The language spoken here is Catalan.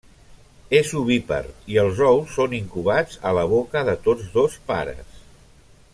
És ovípar i els ous són incubats a la boca de tots dos pares.